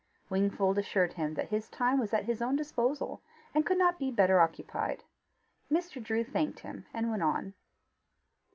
Wingfold assured him that his time was at his own disposal, and could not be better occupied. Mr. Drew thanked him and went on.